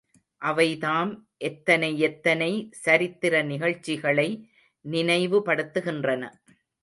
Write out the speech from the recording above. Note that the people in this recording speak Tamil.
அவைதாம் எத்தனையெத்தனை சரித்திர நிகழ்ச்சிகளை நினைவுபடுத்துகின்றன.